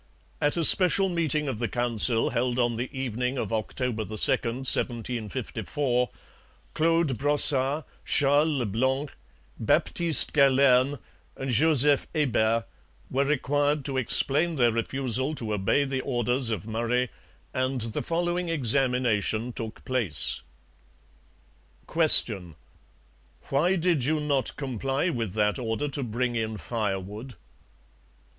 At a special meeting of the Council held on the evening of October 2, 1754, Claude Brossart, Charles Le Blanc, Baptiste Galerne, and Joseph Hebert were required to explain their refusal to obey the orders of Murray, and the following examination took place: Q. Why did you not comply with that order to bring in firewood?